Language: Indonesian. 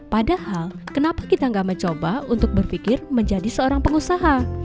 padahal kenapa kita gak mencoba untuk berpikir menjadi seorang pengusaha